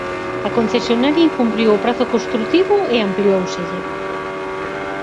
A concesionaria incumpriu o prazo construtivo e amplióuselle.